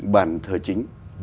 bàn thờ chính